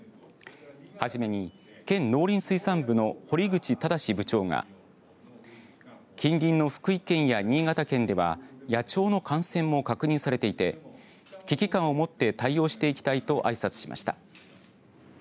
はじめに県農林水産部の堀口正部長が近隣の福井県や新潟県では野鳥の感染も確認されていて危機感を持って対応していきたいとあいさつしました。